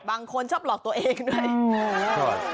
บางคนชอบหลอกตัวเองด้วย